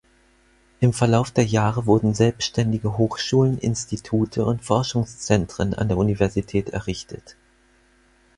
Im Verlauf der Jahre wurden selbstständige Hochschulen, Institute und Forschungszentren an der Universität errichtet.